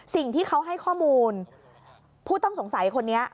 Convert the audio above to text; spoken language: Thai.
สิ่งที่เขาให้ข้อมูลผู้ต้องสงสัยคนนี้